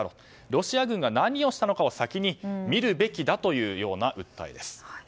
ロシア軍が何をしたのかを先に見るべきだという訴えです。